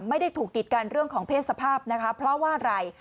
ไม่ได้ถูกกิจกันเรื่องของเพศสภาพนะคะเพราะว่าอะไร